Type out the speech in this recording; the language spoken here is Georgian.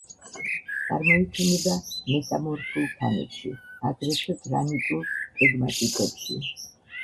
წარმოიქმნება მეტამორფულ ქანებში, აგრეთვე გრანიტულ პეგმატიტებში.